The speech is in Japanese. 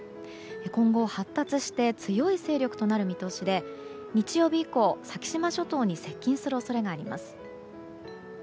今後、発達して強い勢力となる見通しで日曜日以降、先島諸島に接近する恐れがあります。